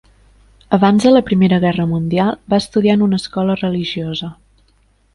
Abans de la Primera Guerra Mundial, va estudiar en una escola religiosa.